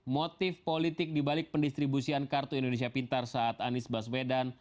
motif politik dibalik pendistribusian kartu indonesia pintar saat anies baswedan